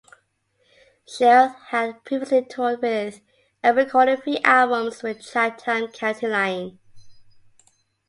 Fjeld had previously toured with and recorded three albums with Chatham County Line.